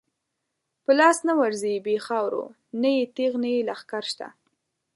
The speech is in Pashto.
په لاس نه ورځی بی خاورو، نه یې تیغ نه یی لښکر شته